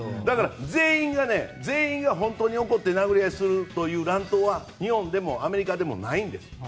全員が行って殴り合いするという乱闘は日本でもアメリカでもないんです。